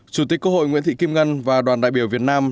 chủ tịch quốc hội nguyễn thị kim ngân và đoàn đại biểu việt nam